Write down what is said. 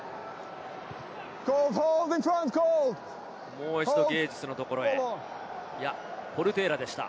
もう一度ゲージスのところへ、ポルテーラでした。